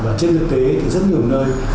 và trên thực tế thì rất nhiều nơi